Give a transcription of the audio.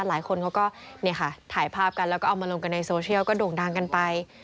หลายคนเขาก็ถ่ายภาพกันแล้วก็เอามาลงกันในโซเชียลก็โด่งดังกันไป